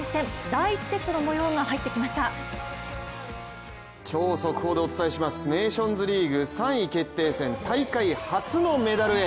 第１セットの模様が入ってきました超速報でお伝えします、ネーションズリーグ３位決定戦、大会初のメダルへ。